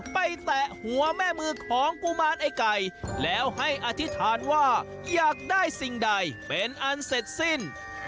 แตะหัวแม่มือของกุมารไอ้ไก่แล้วให้อธิษฐานว่าอยากได้สิ่งใดเป็นอันเสร็จสิ้น